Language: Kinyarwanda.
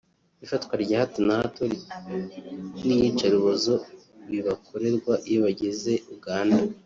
ifatwa rya hato na hato n’iyicarubozo bibakorerwa iyo bageze Uganda